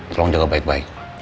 tolong jaga baik baik